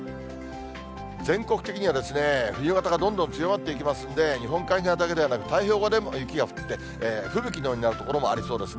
全国的には冬型がどんどん強まっていきますんで、日本海側だけではなく、太平洋側でも雪が降って、吹雪のようになる所もありそうですね。